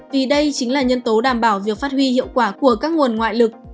vì đây chính là nhân tố đảm bảo việc phát huy hiệu quả của các nguồn ngoại lực